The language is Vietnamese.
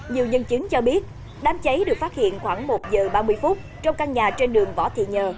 nhiều nhân chứng cho biết đám cháy được phát hiện khoảng một giờ ba mươi phút trong căn nhà trên đường võ thị nhờ